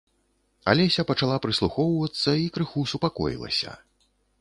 Алеся пачала прыслухоўвацца і крыху супакоілася.